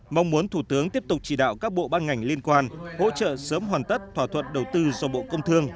mong muốn thủ tướng tiếp tục chỉ đạo các bộ ban ngành liên quan hỗ trợ sớm hoàn tất thỏa thuận đầu tư do bộ công thương